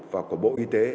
và của bộ y tế